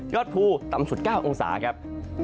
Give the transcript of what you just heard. ภูต่ำสุด๙องศาครับ